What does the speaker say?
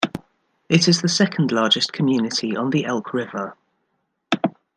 It is the second largest community on the Elk River.